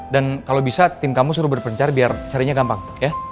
dan kalo bisa tim kamu suruh berpencar biar carinya gampang ya